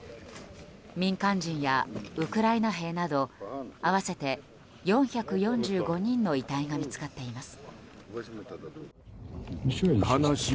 民間人やウクライナ兵など合わせて４４５人の遺体が見つかっています。